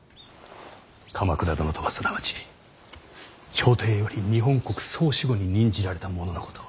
鎌倉殿とはすなわち朝廷より日本国総守護に任じられた者のこと。